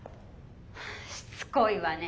しつこいわね。